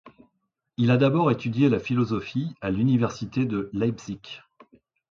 Il a d'abord étudié la philosophie à l'université de Leipzig.